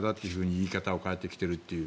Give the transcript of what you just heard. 言い方を変えてきていると。